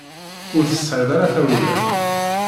Ur tesɛiḍ ara tawla.